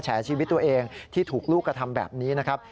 แฉชีวิตตัวเองที่ถูกลูกกระทำแบบนี้นะครับ